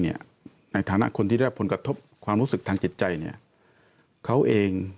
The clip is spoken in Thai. ในฐานะคนที่ได้รับผลกระทบความรู้สึกทางจิตใจเนี่ยเขาเอง